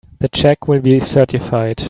The check will be certified.